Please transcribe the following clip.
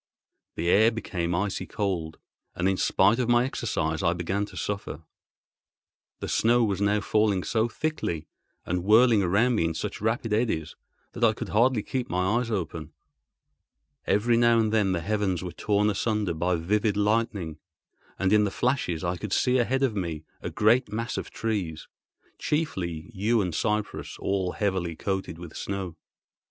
The air became icy cold, and in spite of my exercise I began to suffer. The snow was now falling so thickly and whirling around me in such rapid eddies that I could hardly keep my eyes open. Every now and then the heavens were torn asunder by vivid lightning, and in the flashes I could see ahead of me a great mass of trees, chiefly yew and cypress all heavily coated with snow.